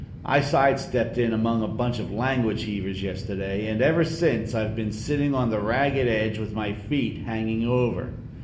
I side stepped in among a bunch of language heavers yesterday and ever since I've been sitting on the ragged edge with my feet hanging over.